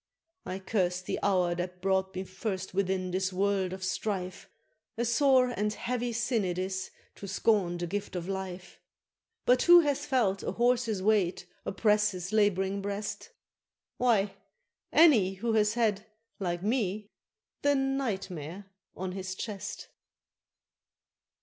I cursed the hour that brought me first within this world of strife A sore and heavy sin it is to scorn the gift of life But who hath felt a horse's weight oppress his laboring breast? Why, any who has had, like me, the NIGHT MARE on his chest.